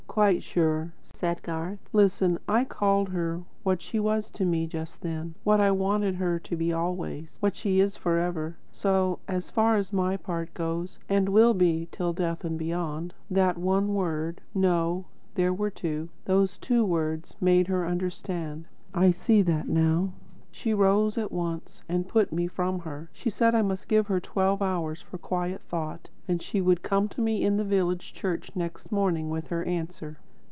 "Quite sure," said Garth. "Listen. I called her what she was to me just then, what I wanted her to be always, what she is forever, so far as my part goes, and will be till death and beyond. That one word, no, there were two, those two words made her understand. I see that now. She rose at once and put me from her. She said I must give her twelve hours for quiet thought, and she would come to me in the village church next morning with her answer.